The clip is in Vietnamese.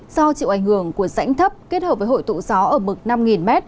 do chịu ảnh hưởng của rãnh thấp kết hợp với hội tụ gió ở mực năm m